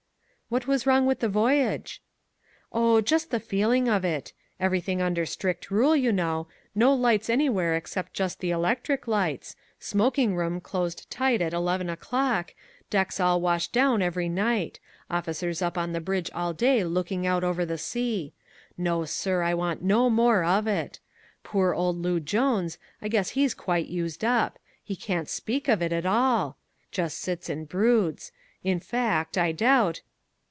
"What was wrong with the voyage?" "Oh, just the feeling of it, everything under strict rule you know no lights anywhere except just the electric lights, smoking room closed tight at eleven o'clock, decks all washed down every night officers up on the bridge all day looking out over the sea, no, sir, I want no more of it. Poor old Loo Jones, I guess he's quite used up: he can't speak of it at all: just sits and broods, in fact I doubt..."